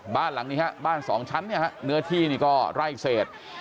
บ้านหลังนี้ฮะบ้านสองชั้นเนี่ยฮะเนื้อที่นี่ก็ไร่เศษ